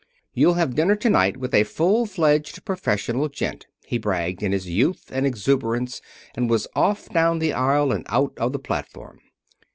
"You'll have dinner to night with a full fledged professional gent," he bragged, in his youth and exuberance and was off down the aisle and out on the platform.